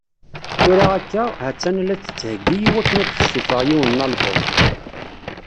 Tura akka, ha-tt-an la tettheggi i wakken ad tessufeɣ yiwen n album.